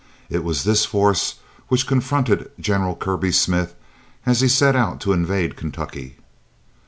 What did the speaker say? It was this force which confronted General Kirby Smith as he set out to invade Kentucky.